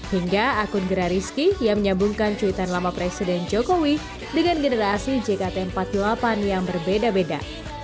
hingga akun gerariski yang menyambungkan cuitan lama presiden jokowi dengan generasi jkt empat puluh delapan yang berbeda beda